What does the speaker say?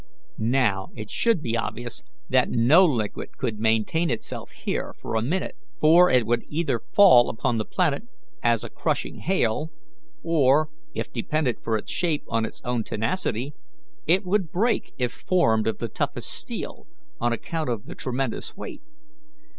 Now, it should be obvious that no liquid could maintain itself here for a minute, for it would either fall upon the planet as a crushing hail, or, if dependent for its shape on its own tenacity, it would break if formed of the toughest steel, on account of the tremendous weight.